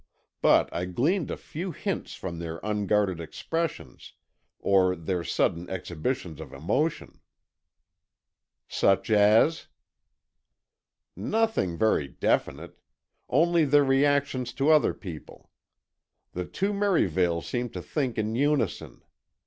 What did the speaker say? But I gleaned a few hints from their unguarded expressions, or their sudden exhibitions of emotion." "Such as?" "Nothing very definite. Only their reactions to other people. The two Merivales seem to think in unison.